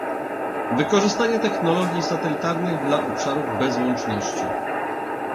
Wykorzystanie technologii satelitarnych dla obszarów bez łączności